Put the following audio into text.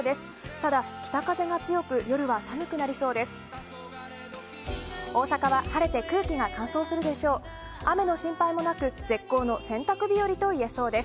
ただ、北風が強く夜は寒くなりそうです。